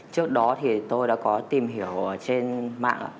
trước đó thì tôi đã có tìm hiểu trên mạng